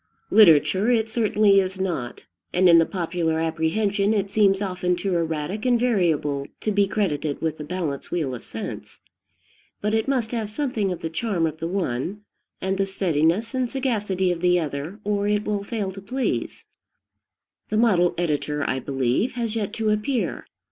Literature it certainly is not, and in the popular apprehension it seems often too erratic and variable to be credited with the balance wheel of sense; but it must have something of the charm of the one, and the steadiness and sagacity of the other, or it will fail to please. The model editor, I believe, has yet to appear.